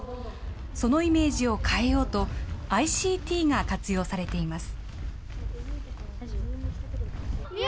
そのイメージを変えようと、ＩＣＴが活用されています。